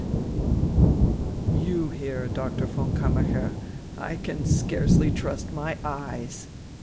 IX "You here, Doctor von Kammacher? I can scarcely trust my eyes."